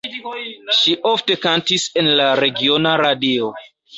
Ŝi ofte kantis en la regiona radio.